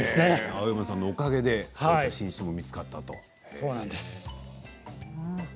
青山さんのおかげで新種も見つかったんですね。